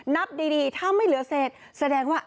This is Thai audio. นับดีถ้าไม่เหลือเศษ